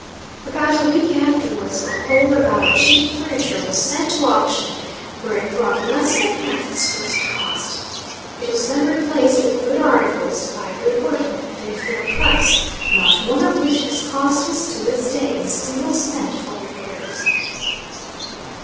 About a week afterwards, the whole of our cheap furniture was sent to auction, where it brought less than half its first cost. It was then replaced with good articles, by good workmen, at a fair price; not one of which has cost us, to this day, a single cent for repairs.